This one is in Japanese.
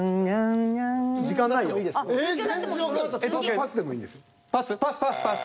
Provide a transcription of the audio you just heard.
パスでもいいんですよ。パス？